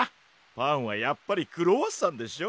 パンはやっぱりクロワッサンでしょ。